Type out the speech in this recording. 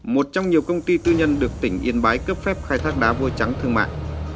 một trong nhiều công ty tư nhân được tỉnh yên bái cấp phép khai thác đá vôi trắng thương mại